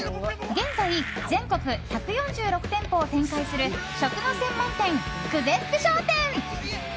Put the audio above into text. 現在全国１４６店舗を展開する食の専門店、久世福商店。